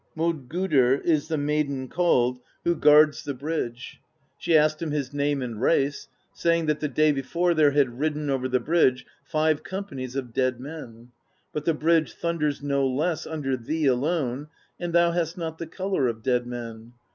Modgudr is the maiden called who guards the 74 PROSE EDDA bridge; she asked him his name and race, saying that the day before there had ridden over the bridge five companies of dead men; 'but the bridge thunders no less under thee alone, and thou hast not the color of dead men.